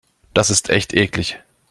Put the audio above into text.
Das ist echt eklig.